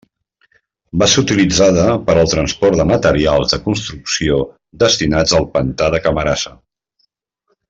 Va ser utilitzada per al transport de materials de construcció destinats al pantà de Camarasa.